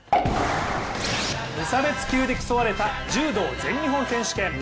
無差別級で競われた柔道全日本選手権。